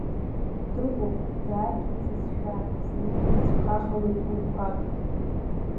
Дыҟоуп даарагьы ҵызшәа, зны дыцәхалалоит уи қәак.